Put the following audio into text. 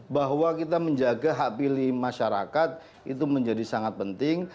bahwa kita menjaga hak pilih masyarakat itu menjadi sangat penting